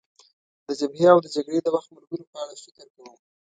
د جبهې او د جګړې د وخت ملګرو په اړه فکر کوم.